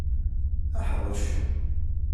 Ḥrec!